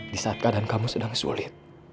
di saat keadaan kamu sedang sulit